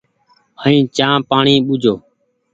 ائين چآنه پآڻيٚ ٻوجھيو۔